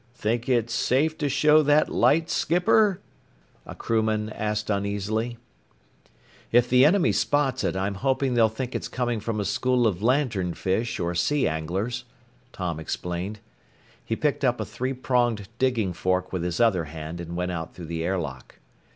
"Think it's safe to show that light, skipper?" a crewman asked uneasily. "If the enemy spots it, I'm hoping they'll think it's coming from a school of lantern fish or sea anglers," Tom explained. He picked up a three pronged digging fork with his other hand and went out through the air lock.